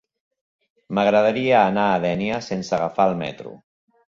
M'agradaria anar a Dénia sense agafar el metro.